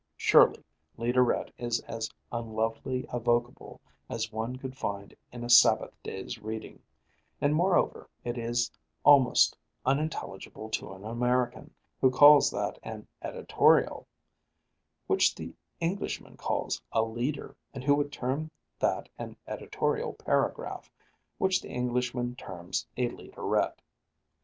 Surely leaderette is as unlovely a vocable as one could find in a Sabbath day's reading; and, moreover, it is almost unintelligible to an American, who calls that an editorial which the Englishman calls a leader, and who would term that an editorial paragraph which the Englishman terms a leaderette.